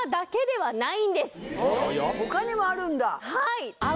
はい。